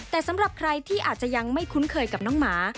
แต่สำหรับใครที่อาจจะยังไม่คุ้นเคยกับน้องหมา